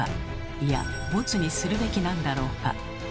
いやボツにするべきなんだろうか。